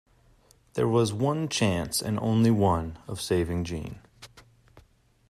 There was one chance, and only one, of saving Jeanne.